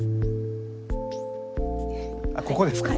あっここですか？